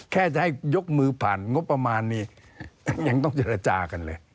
แค่จะให้ยกมือผ่านงบประมาณนี้ยังต้องเจรจากันเลย